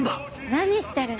何してるの？